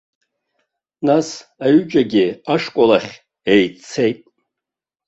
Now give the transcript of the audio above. Нас аҩыџьагьы ашкол ахь еиццеит.